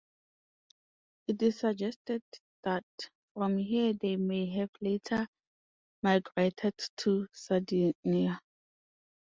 It is suggested that from here they may have later migrated to Sardinia.